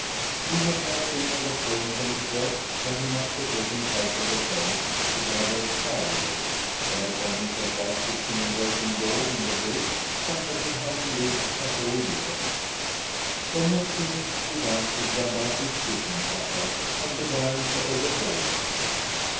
He had no sooner got home from his work than he must betake himself to the forest to gather firewood, whereupon he set about fixing a broken board in the gate that had been hanging loose a whole year. When he had finished with that he dragged out his fishing tackle and began to overhaul it.